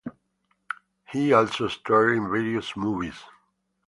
He also starred in various movies.